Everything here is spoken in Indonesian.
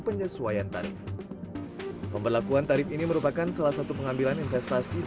penyesuaian tarif pemberlakuan tarif ini merupakan salah satu pengambilan investasi